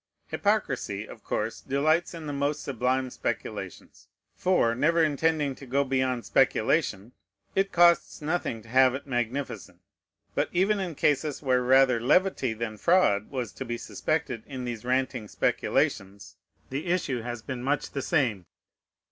Hypocrisy, of course, delights in the most sublime speculations; for, never intending to go beyond speculation, it costs nothing to have it magnificent. But even in cases where rather levity than fraud was to be suspected in these ranting speculations, the issue has been much the same.